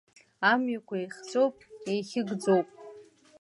Амҩақәа еихҵәоуп, еихьыгӡоуп.